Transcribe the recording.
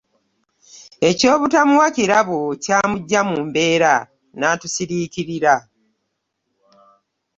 Ekyobutayuna kirabo kyamujja mu mbeera natusirikirila.